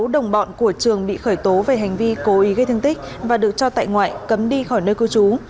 sáu đồng bọn của trường bị khởi tố về hành vi cố ý gây thương tích và được cho tại ngoại cấm đi khỏi nơi cư trú